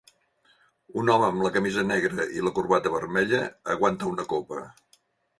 Un home amb la camisa negra i la corbata vermella aguanta una copa.